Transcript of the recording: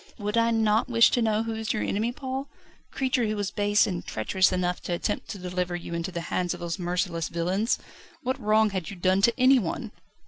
"Would I not wish to know who is your enemy, Paul the creature who was base and treacherous enough to attempt to deliver you into the hands of those merciless villains? What wrong had you done to anyone?"